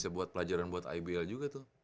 saya buat pelajaran buat ibl juga tuh